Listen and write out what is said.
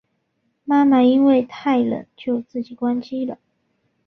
妈妈因为太冷就自己关机了